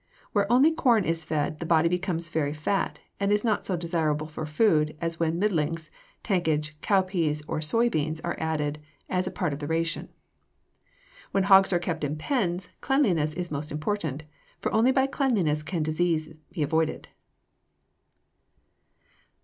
Where only corn is fed, the body becomes very fat and is not so desirable for food as when middlings, tankage, cowpeas, or soy beans are added as a part of the ration. [Illustration: FIG. 258. DINNER IS OVER] When hogs are kept in pens, cleanliness is most important, for only by cleanliness can disease be avoided.